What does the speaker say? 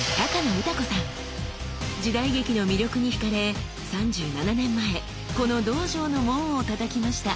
時代劇の魅力にひかれ３７年前この道場の門をたたきました。